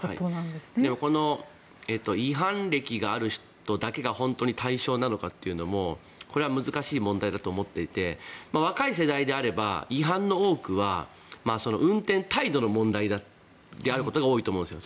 でもこの違反歴がある人だけが本当に対象なのかっていうのもこれは難しい問題があると思っていて若い世代であれば違反の多くは運転態度の問題であることが多いと思うんです。